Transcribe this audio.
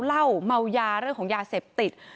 เมายาอย่างเรื่องหยาเสพติด